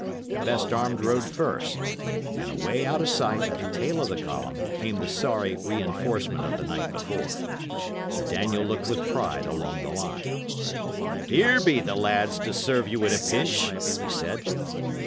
The best armed rode first; and away out of sight, at the tail of the column, came the sorry reinforcement of the night before. Sir Daniel looked with pride along the line. "Here be the lads to serve you in a pinch," he said.